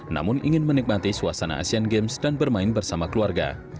namun ingin menikmati suasana asian games dan bermain bersama keluarga